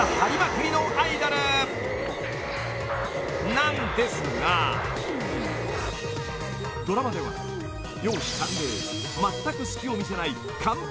［なんですがドラマでは容姿端麗まったく隙を見せない］